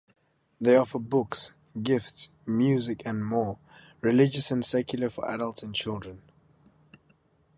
They offer books, gifts, music and more, religious and secular, for adults and children.